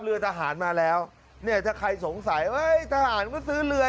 เรือทหารมาแล้วเนี่ยถ้าใครสงสัยเฮ้ยทหารก็ซื้อเรือ